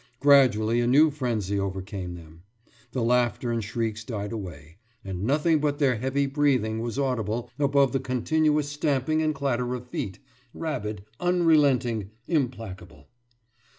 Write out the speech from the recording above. Gradually a new frenzy overcame them. The laughter and shrieks died away, and nothing but their heavy breathing was audible above the continuous stamping and clatter of feet rabid, unrelenting, implacable.